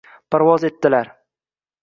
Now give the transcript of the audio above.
parvoz etdilar.